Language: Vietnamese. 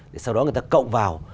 để sau đó người ta cộng vào